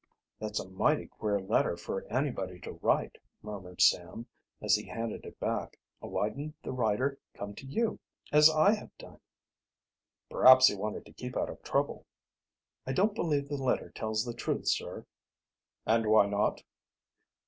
"That's a mighty queer letter for anybody to write," murmured Sam, as he handed it back. "Why didn't the writer come to you, as I have done?" "Perhaps he wanted to keep out of trouble." "I don't believe the letter tells the truth, sir." "And why not?"